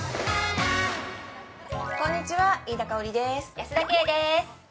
保田圭です。